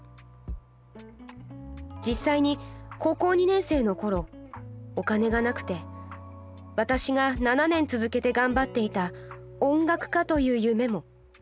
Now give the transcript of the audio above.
実際に高校二年生の頃お金がなくて私が７年続けて頑張っていた音楽家という夢も諦めました。